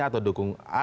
atau dukung a